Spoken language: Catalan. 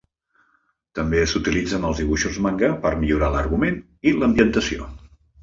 També s"utilitzen els dibuixos manga per millorar l"argument i l"ambientació.